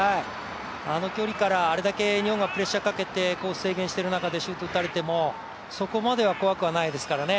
あの距離から、あれだけ日本がプレッシャーかけてコース制限している中でシュートを打たれてもそこまでは怖くはないですからね。